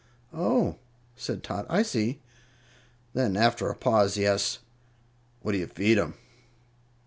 "Oh!" said Tot, "I see." Then, after a pause, he asked: "What do you feed 'em?"